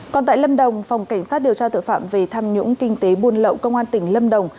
còn tại lâm đồng phòng cảnh sát điều tra tội phạm về tham nhũng kinh tế buôn lậu công an tỉnh lâm đồng